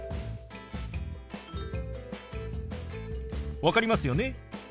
分かりますよね？